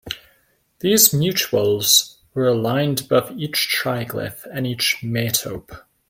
These mutules were aligned above each triglyph and each metope.